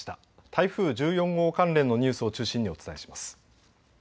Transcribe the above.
台風１４号関連のニュースを中心にお伝えします。